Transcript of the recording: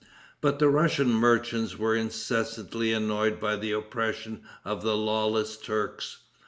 But the Russian merchants were incessantly annoyed by the oppression of the lawless Turks.